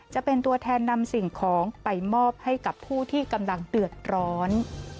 จะเป็นตัวแทนนำสิ่งของไปมอบให้กับผู้ที่กำลังเดือดร้อน